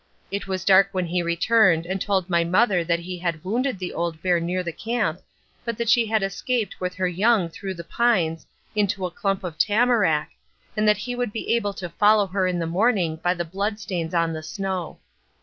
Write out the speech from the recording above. It was dark when he returned and told my mother that he had wounded the old bear near the camp, but that she had escaped with her young through the pines into a clump of tamarack, and that he would be able to follow her in the morning by the blood stains on the snow.